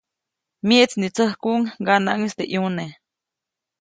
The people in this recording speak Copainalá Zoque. Myeʼtsnitsäkuʼuŋ ŋganaʼŋis teʼ ʼyuneʼ.